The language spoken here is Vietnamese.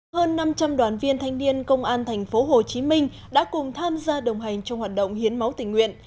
hơn năm trăm linh đoàn viên thanh niên công an tp hcm đã cùng tham gia đồng hành trong hoạt động hiến máu tình nguyện